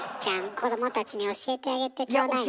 子どもたちに教えてあげてちょうだいね。